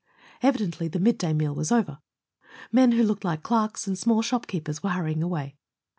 Evidently the midday meal was over; men who looked like clerks and small shopkeepers were hurrying away.